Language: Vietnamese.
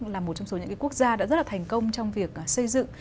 là một trong số những cái quốc gia đã rất là thành công trong việc xây dựng